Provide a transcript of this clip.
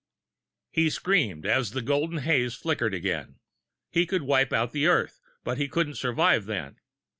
_ He screamed, as the golden haze flickered again. He could wipe out the Earth, but he couldn't survive, then.